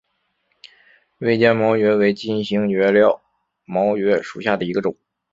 锐尖毛蕨为金星蕨科毛蕨属下的一个种。